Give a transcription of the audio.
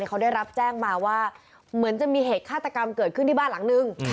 เขาได้รับแจ้งมาว่าเหมือนจะมีเหตุฆาตกรรมเกิดขึ้นที่บ้านหลังนึง